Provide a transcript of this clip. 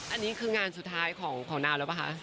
อันนี้คืองานสุดท้ายของนาวแล้วป่ะคะ